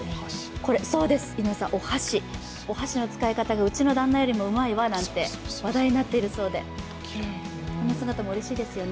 そう、お箸の使い方がうちの旦那よりもうまいなんて話題になっているそうで、こんな姿もうれしいですよね。